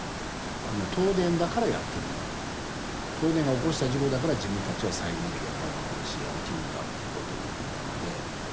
「東電だからやってるんだ」と「東電が起こした事故だから自分たちは最後まで現場に残るしやりきるんだ」ってことを言っていたので。